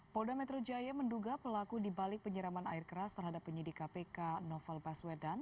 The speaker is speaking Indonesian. polda metro jaya menduga pelaku dibalik penyiraman air keras terhadap penyidik kpk novel baswedan